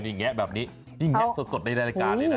แงะเลยแงะแบบนี้นี่แงะสดในรายการเนี่ยนะ